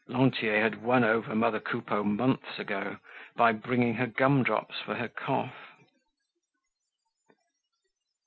Lantier had won over mother Coupeau months ago by bringing her gum drops for her cough.